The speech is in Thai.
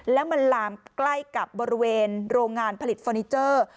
แล้วมันลามใกล้กับบริเวณโรงงานผลิตฟอร์นิเจอร์